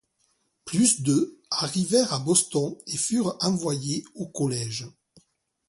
Plus de arrivèrent à Boston et furent envoyés au collège.